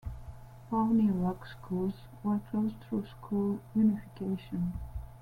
Pawnee Rock schools were closed through school unification.